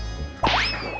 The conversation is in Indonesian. daripada ayah dipecat